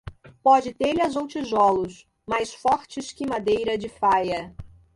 Pode telhas ou tijolos, mais fortes que madeira de faia.